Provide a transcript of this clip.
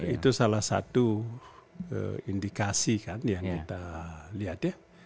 itu salah satu indikasi kan yang kita lihat ya